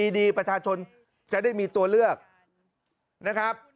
ดีประชาชนจะได้มีตัวเลือกนะครับ